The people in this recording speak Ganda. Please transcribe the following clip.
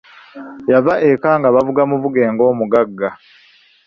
Yava eka nga bavuga muvuge ng'omugagga.